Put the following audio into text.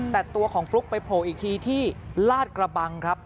แต่ตัวของฟลุ๊กไปโผล่อีกทีที่ลาดกระบังครับ